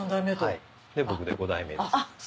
はい僕で５代目です。